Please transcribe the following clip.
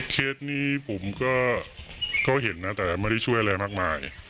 เคสนี้ผมก็เห็นนะแต่ไม่ได้ช่วยอะไรมากมาย